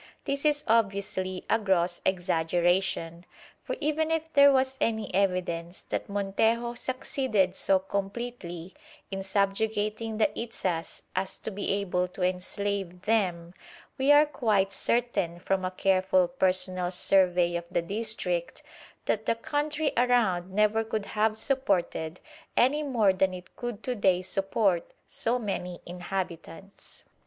This is obviously a gross exaggeration, for even if there was any evidence that Montejo succeeded so completely in subjugating the Itzas as to be able to enslave them, we are quite certain from a careful personal survey of the district, that the country around never could have supported, any more than it could to day support, so many inhabitants.